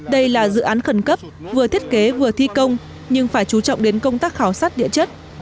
đây là dự án khẩn cấp vừa thiết kế vừa thi công nhưng phải chú trọng đến công tác khảo sát địa chất